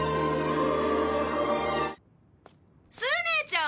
スネちゃま！